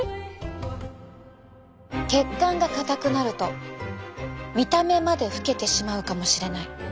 血管が硬くなると見た目まで老けてしまうかもしれない。